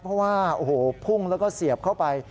เพราะว่าโอ้โหพุ่งแล้วก็เสียบเข้าไป